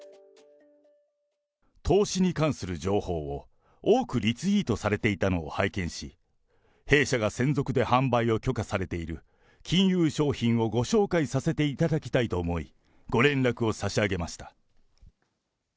投資に関する情報を多くリツイートされていたのを拝見し、弊社が専属で販売を許可されている金融商品をご紹介させていただきたいと思い、ご連絡を差し上げました。